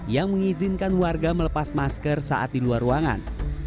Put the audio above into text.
yang mengizinkan warga melepas masker saat di luar ruangan